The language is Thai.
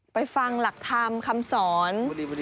ไปฟังหลักธรรมคำสอน